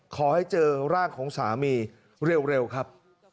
ขอให้เจอร่างของสามีเร็วครับ